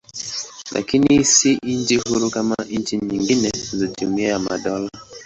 Lakini si nchi huru kama nchi nyingine za Jumuiya ya Madola.